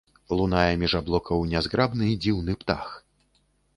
Лунае між аблокаў нязграбны дзіўны птах.